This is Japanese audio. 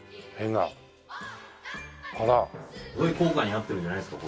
すごい高価になってるんじゃないですか？